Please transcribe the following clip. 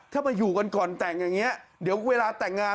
ถ้ามาอยู่กันก่อนแต่งอย่างนี้เดี๋ยวเวลาแต่งงาน